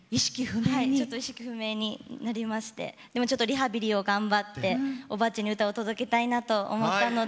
ちょっと意識不明になりましてでもリハビリを頑張っておばあちゃんに歌を届けたいなと思ったので。